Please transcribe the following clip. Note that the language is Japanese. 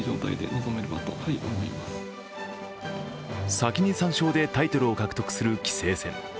先に３勝でタイトルを獲得する棋聖戦。